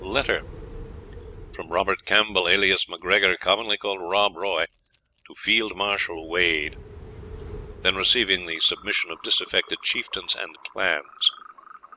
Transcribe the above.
LETTER FROM ROBERT CAMPBELL, alias M'GREGOR, COMMONLY CALLED ROB ROY, TO FIELD MARSHAL WADE, Then receiving the submission of disaffected Chieftains and Clans.